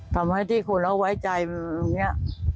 ทำให้ที่คุณเหล้าวัยใจแบบนี้